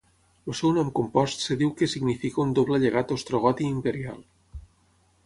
El seu nom compost es diu que significa un doble llegat ostrogot i imperial.